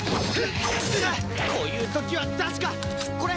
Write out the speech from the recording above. こういう時は確かこれ！